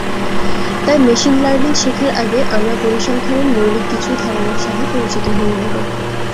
তাই machine learning শেখার আগে আমরা পরিসংখ্যানের মৌলিক কিছু ধারনার সাথে পরিচিত হয়ে নেবো।